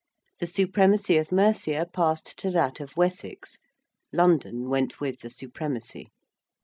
The supremacy of Mercia passed to that of Wessex London went with the supremacy.